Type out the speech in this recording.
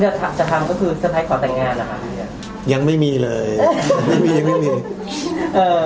เลือกทางจะทำก็คือสุดท้ายขอแต่งงานหรอครับ